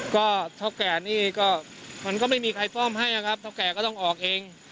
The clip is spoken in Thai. ก็เท่าแก่นี่ก็มันก็ไม่มีใครซ่อมให้นะครับเท่าแก่ก็ต้องออกเอง